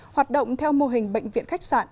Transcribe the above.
hoạt động theo mô hình bệnh viện khách sạn